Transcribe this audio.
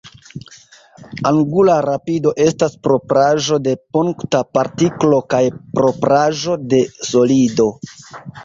Angula rapido estas propraĵo de punkta partiklo kaj propraĵo de solido.